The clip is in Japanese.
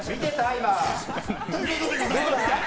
今。